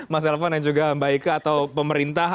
mas elvan dan juga mbak ika atau pemerintah